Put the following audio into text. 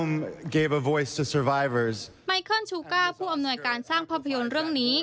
ไมเคิลชูก้าผู้อำนวยการสร้างภาพยนตร์เรื่องนี้